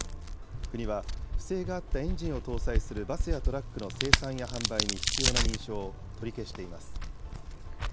国は、不正があったエンジンを搭載するバスやトラックの生産や販売に必要な認証を取り消しています。